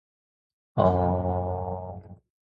外国語の授業はとても難しいです。